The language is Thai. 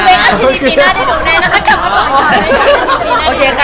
ออนเว้งอัศจริงปีหน้าได้ดูแน่นะคะ